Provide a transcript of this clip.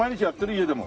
家でも。